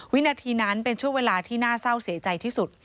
วินาทีนั้นเป็นช่วงเวลาที่น่าเศร้าเสียใจที่สุด